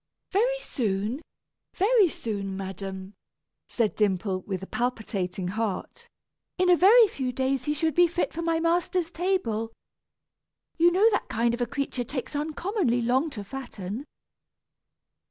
"Very soon, very soon, madam," said Dimple, with a palpitating heart; "in a very few days he should be fit for my master's table. You know that kind of a creature takes uncommonly long to fatten."